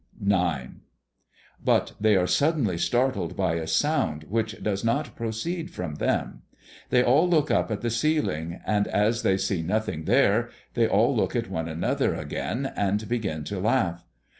IX. But they are suddenly startled by a sound which does not proceed from them. They all look up at the ceiling; and as they see nothing there, they all look at one another again and begin to laugh.